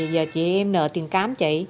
giờ chị em nợ tiền cám chị